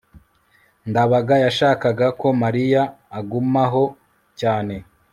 ndabaga yashakaga ko mariya agumaho cyane